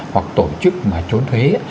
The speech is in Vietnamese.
hoặc tổ chức mà trốn thuế